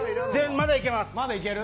まだいけます。